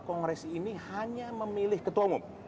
kongres ini hanya memilih ketua umum